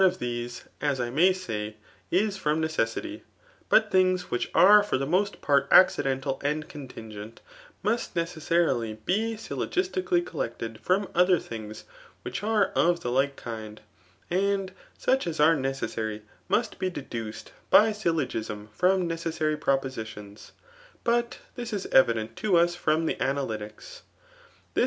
of these* as' I may say, is &nn necessity ; bot dungs which are for the iqosr pttt aocidentai and contingent, mast necessarily be 8ylk>j^sd^ catty collected from pther things which are of the< IHte kmd; and such as are necessary must be deduced by •yttagiflain from n^easary ptopbskions. But thisiaevidenr to vtB from the Analytics. This